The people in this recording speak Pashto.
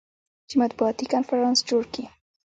چې مطبوعاتي کنفرانس جوړ کي.